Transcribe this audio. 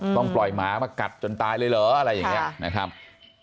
ต้องปล่อยหมามากัดจนตายเลยเหรออะไรอย่างนี้นะครับ